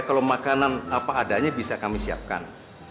kalau makanan apa adanya bisa kami siapkan